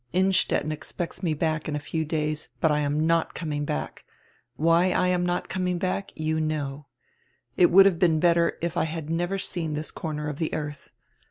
Innstetten expects me back in a few days, but I am not coming back — why I am not coming back, you know — it would have been better if I had never seen this corner of the earth.